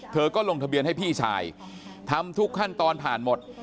เธอก็ลงทะเบียนให้พี่ชายทำทุกขั้นตอนผ่านหมด